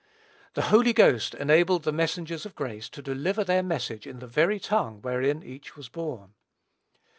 The Holy Ghost enabled the messengers of grace to deliver their message in the very tongue wherein each was born.